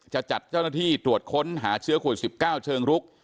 จะจัดเจ้าหน้าที่ตรวจค้นหาเชื้อโควิด๑๙เชิงรุก